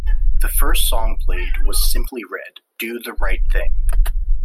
The first song played was Simply Red - Do The Right Thing.